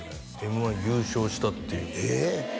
Ｍ−１優勝したっていうええ？